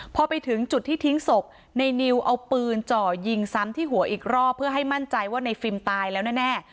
พอไปถึงจุดที่ทิ้งศพในนิวเอาปืนจ่อยิงซ้ำที่หัวอีกรอบเพื่อให้มั่นใจว่าในฟิล์มตายแล้วแน่